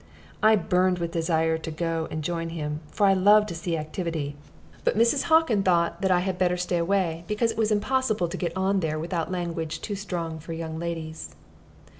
I burned with desire to go and join him, for I love to see activity; but Mrs. Hockin thought that I had better stay away, because it was impossible to get on there without language too strong for young ladies.